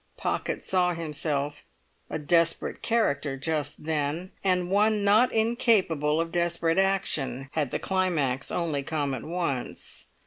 Pocket saw himself a desperate character just then, and one not incapable of desperate action had the climax only come at once.